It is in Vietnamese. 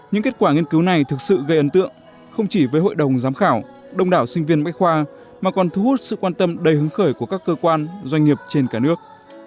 những kết quả nghiên cứu này thực sự gây ấn tượng không chỉ với hội đồng giám khảo đông đảo sinh viên bách khoa mà còn thu hút sự quan tâm đầy hứng khởi của các cơ quan doanh nghiệp trên cả nước